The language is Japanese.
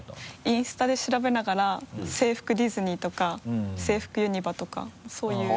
インスタで調べながら制服ディズニーとか制服ユニバとかそういう。